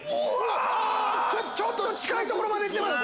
ちょっと近いところ行ってます。